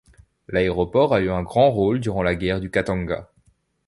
L'aéroport a eu un grand rôle durant la guerre du Katanga.